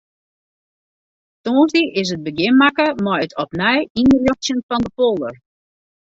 Tongersdei is in begjin makke mei it opnij ynrjochtsjen fan de polder.